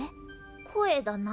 声だな。